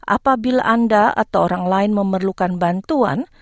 apabila anda atau orang lain memerlukan bantuan